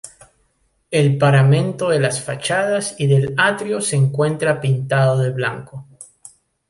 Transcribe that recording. El paramento de las fachadas y del atrio se encuentra pintado de blanco.